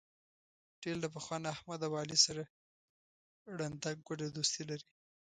ډېر له پخوا نه احمد او علي سره ړنده ګوډه دوستي لري.